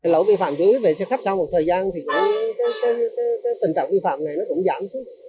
lỗi vi phạm về xe khách sau một thời gian thì tình trạng vi phạm này cũng giảm